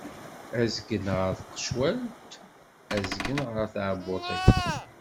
Azgen ɣer tqecwalt, azgen ɣer tɛebbuṭ-is.